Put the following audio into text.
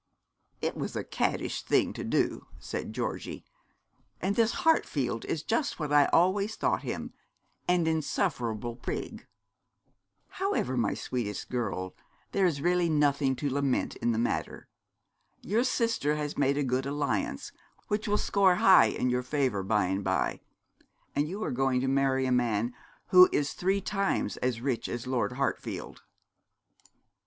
'It was a caddish thing to do,' said Georgie; 'and this Hartfield is just what I always thought him an insufferable prig. However, my sweetest girl, there is really nothing to lament in the matter. Your sister has made a good alliance, which will score high in your favour by and by, and you are going to marry a man who is three times as rich as Lord Hartfield.'